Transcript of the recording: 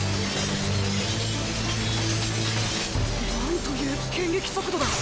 なんという剣撃速度だ。